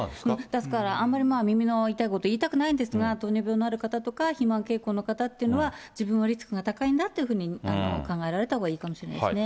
ですからあんまり耳の痛いこと言いたくないんですが、糖尿病のある方とか、肥満傾向の方というのは、自分はリスクが高いんだというふうに考えられたほうがいいかもしれないですね。